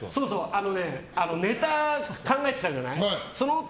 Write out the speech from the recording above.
ネタ考えてたじゃない。